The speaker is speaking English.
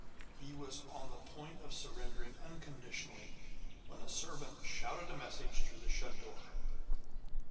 He was on the point of surrendering unconditionally when a servant shouted a message through the shut door.